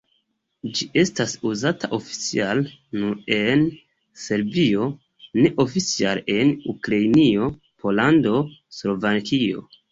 Ĝi estas uzata oficiale nur en Serbio, neoficiale en Ukrainio, Pollando, Slovakio.